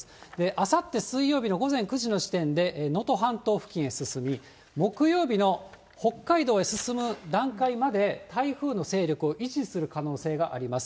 あさって水曜日の午前９時の時点で、能登半島付近へ進み、木曜日の北海道へ進む段階まで台風の勢力を維持する可能性があります。